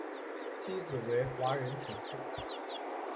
妻子为华人陈氏。